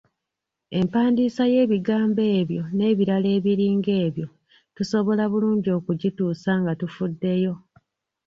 Empandiika y'ebigambo ebyo n'ebirala ebiringa ebyo tusobola bulungi okugituusa nga tufuddeyo.